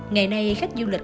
ngày nay khách du lịch